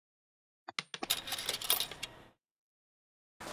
awezalo kujikinga na hatari ya mafua